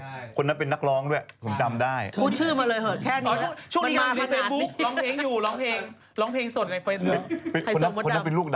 มีคนนึงที่มีแฟนแล้วไม่เป็นไฮโซ